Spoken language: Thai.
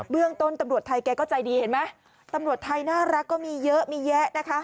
เรื่องต้นตำรวจไทยแกก็ใจดีเห็นไหมตำรวจไทยน่ารักก็มีเยอะมีแยะนะคะ